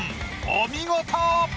お見事。